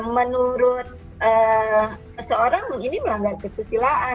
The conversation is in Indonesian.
menurut seseorang ini melanggar kesusilaan